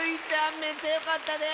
めっちゃよかったで！